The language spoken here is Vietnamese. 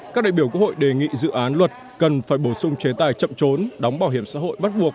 các đại biểu quốc hội đề nghị dự án luật cần phải bổ sung chế tài chậm trốn đóng bảo hiểm xã hội bắt buộc